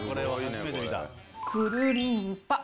くるりんぱっ。